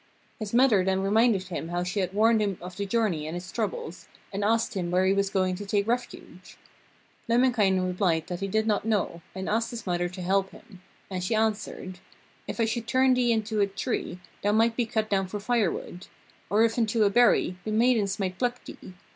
His mother then reminded him how she had warned him of the journey and its troubles, and asked him where he was going to take refuge. Lemminkainen replied that he did not know, and asked his mother to help him, and she answered: 'If I should turn thee into a tree, thou might be cut down for firewood. Or if into a berry, the maidens might pluck thee.